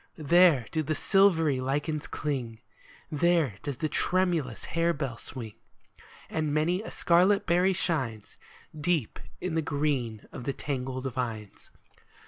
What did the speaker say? There do the silvery lichens cling, There does the tremulous harebell swing ; And many a scarlet berry shines Deep in the green of the tangled vines.